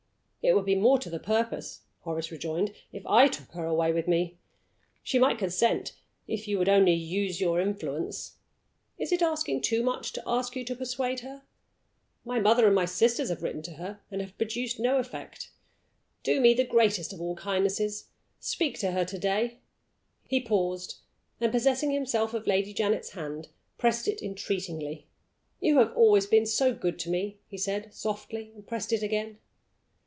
"It would be more to the purpose," Horace rejoined, "if I took her away with me. She might consent, if you would only use your influence. Is it asking too much to ask you to persuade her? My mother and my sisters have written to her, and have produced no effect. Do me the greatest of all kindnesses speak to her to day!" He paused, and possessing himself of Lady Janet's hand, pressed it entreatingly. "You have always been so good to me," he said, softly, and pressed it again.